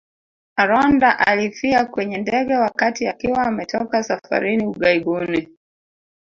Aronda alifia kwenye ndege wakati akiwa ametoka safarini ughaibuni